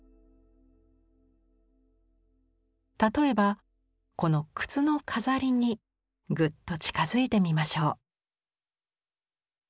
例えばこの靴の飾りにグッと近づいてみましょう。